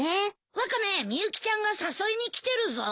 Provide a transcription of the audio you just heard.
ワカメみゆきちゃんが誘いに来てるぞ。